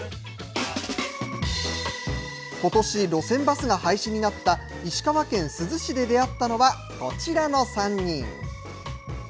ことし、路線バスが廃止になった石川県珠洲市で出会ったのは、こちらの３人。